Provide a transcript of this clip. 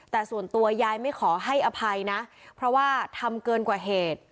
แต่ส่วนตัวยายไม่ขอให้อภัยนะเพราะว่าทำเกินกว่าเหตุ